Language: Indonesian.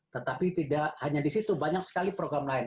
tetapi tidak hanya di situ banyak sekali program lain